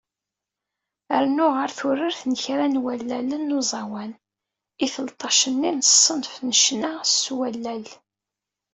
Rnu ɣer turart n kra n wallalen n uẓawan, i telṭac-nni n ṣṣenf n ccna s wallal.